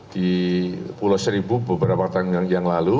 di pulau seribu beberapa tahun yang lalu